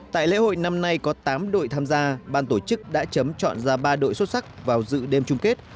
tại lễ hội năm nay có tám đội tham gia ban tổ chức đã chấm chọn ra ba đội xuất sắc vào dự đêm chung kết